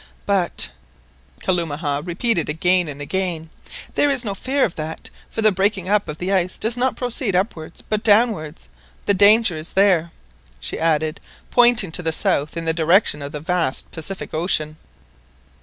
"But," Kalumah repeated again and again, "there is no fear of that, the breaking up of the ice does not proceed upwards but downwards. The danger is there!" she added, pointing to the south in the direction of the vast Pacific Ocean.